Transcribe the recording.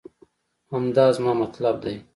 همدا زما مطلب دی